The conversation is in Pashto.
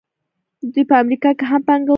دوی په امریکا کې هم پانګونه لري.